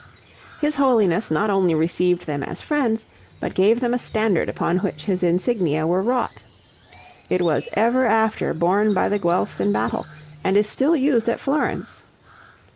His holiness not only received them as friends, but gave them a standard upon which his insignia were wrought. It was ever after borne by the Guelphs in battle, and is still used at Florence.